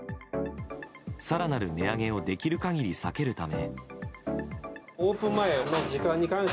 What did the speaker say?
更なる値上げをできる限り避けるため。